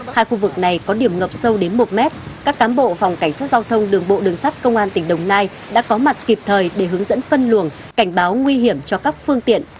hai khu vực này có điểm ngập sâu đến một mét các cám bộ phòng cảnh sát giao thông đường bộ đường sắt công an tỉnh đồng nai đã có mặt kịp thời để hướng dẫn phân luồng cảnh báo nguy hiểm cho các phương tiện